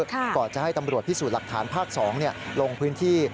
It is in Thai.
ก่อนจะให้ตำรวจพิสูจน์หลักฐานภาค๒ลงพื้นที่